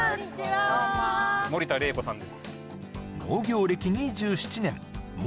守田礼子さんです